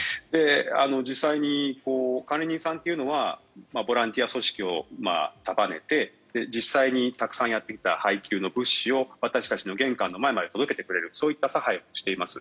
実際に管理人さんというのはボランティア組織を束ねて実際にたくさんやってきた配給の物資を私たちの玄関の前まで届けてくれるそういった差配をしています。